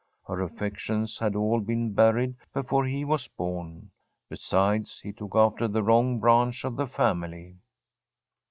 Her affections had all been buried before he was born. Besides, he took after the wrong branch of the family.